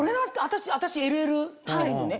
私ＬＬ着てるのね。